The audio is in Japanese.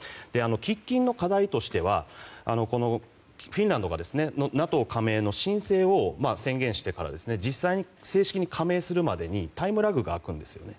喫緊の課題としてはフィンランドがＮＡＴＯ加盟の申請を宣言してから実際に正式に加盟するまでにタイムラグが空くんですね。